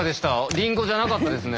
りんごじゃなかったですね。